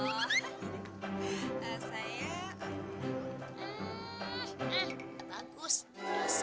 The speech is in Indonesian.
oh saya eh bagus